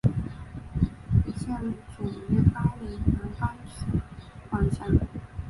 现属于巴林南方省管辖。